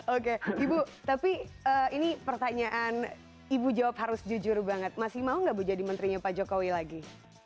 oke ibu tapi ini pertanyaan ibu jawab harus jujur banget masih mau nggak bu jadi menterinya pak jokowi lagi